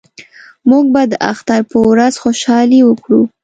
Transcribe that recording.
موږ به د اختر په ورځ خوشحالي وکړو